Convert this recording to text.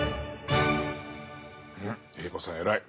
うんＡ子さん偉い。